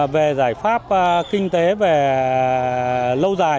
về giải pháp kinh tế về lâu dài